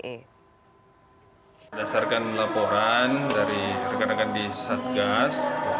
berdasarkan laporan dari rekan rekan di satgas